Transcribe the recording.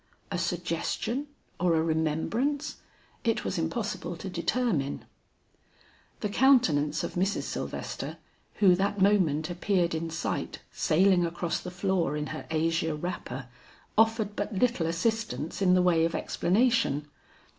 A suggestion or a remembrance? It was impossible to determine. The countenance of Mrs. Sylvester who that moment appeared in sight sailing across the floor in her azure wrapper, offered but little assistance in the way of explanation.